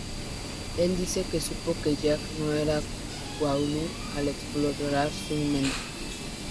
Él dice que supo que Jack no era Goa'uld, al explorar su mente.